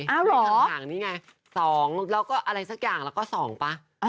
ข้างหลังนี่ไง๒แล้วก็อะไรสักอย่างแล้วก็๒ป่ะ